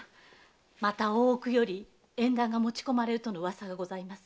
また大奥より縁談が持ち込まれるとの噂が。